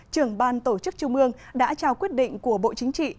trường ban tổ chức trung mương đã trao quyết định của bộ chính trị